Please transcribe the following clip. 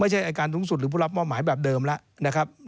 อายการสูงสุดหรือผู้รับมอบหมายแบบเดิมแล้วนะครับ